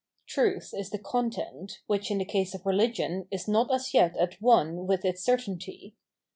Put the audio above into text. Truth is the content, which in the case of religion is not as yet at one with its certainty.